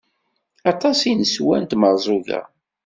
Aṭas i neswa n tmerẓuga.